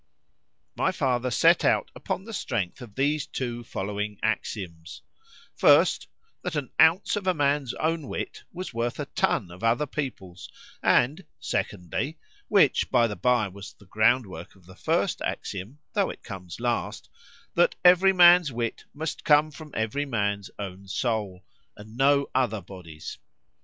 My father set out upon the strength of these two following axioms: First, That an ounce of a man's own wit, was worth a ton of other people's; and, Secondly, (Which by the bye, was the ground work of the first axiom,——tho' it comes last) That every man's wit must come from every man's own soul,——and no other body's.